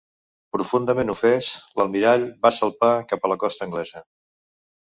Profundament ofès, l'almirall va salpar cap a la costa anglesa.